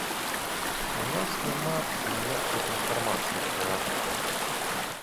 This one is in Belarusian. У нас няма ніякай інфармацыі пра яго.